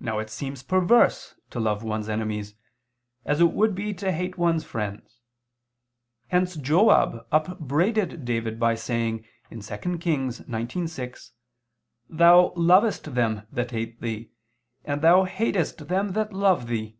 Now it seems perverse to love one's enemies, as it would be to hate one's friends: hence Joab upbraided David by saying (2 Kings 19:6): "Thou lovest them that hate thee, and thou hatest them that love thee."